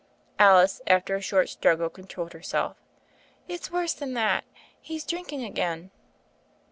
Alice, after a short struggle, controlled her self. *'It's worse than that : he's drinking again."